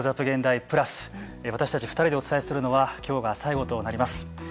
現代＋私たち２人でお伝えするのはきょうが最後となります。